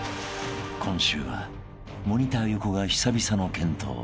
［今週はモニター横が久々の健闘］